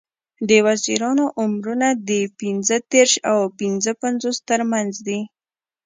د وزیرانو عمرونه د پینځه دیرش او پینځوس تر منځ دي.